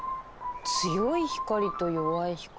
強い光と弱い光。